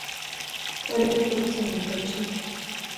واردات باید څنګه کم شي؟